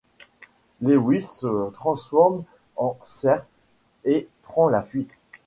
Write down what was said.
Lewis se transforme en cerf et prend la fuite.